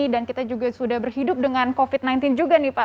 dan kita juga sudah berhidup dengan covid sembilan belas juga nih pak